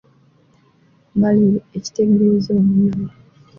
Malire ekitegeeza omunyago.